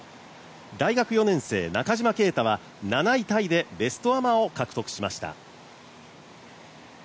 大学４年生・中島啓太は７位タイでベストアマを獲得しました。